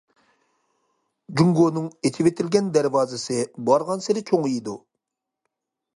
جۇڭگونىڭ ئېچىۋېتىلگەن دەرۋازىسى بارغانسېرى چوڭىيىدۇ.